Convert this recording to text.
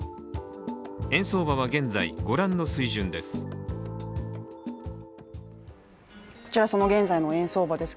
円相場は現在ご覧の水準です。